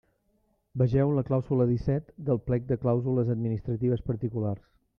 Vegeu la clàusula disset del Plec de Clàusules Administratives Particulars.